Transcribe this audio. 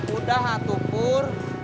udah hatu pur